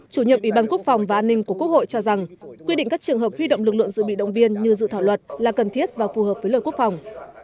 chủ nhiệm ủy ban quốc phòng và an ninh của quốc hội cho rằng quy định các trường hợp huy động lực lượng dự bị động viên như dự thảo luật là cần thiết và phù hợp với lời quốc phòng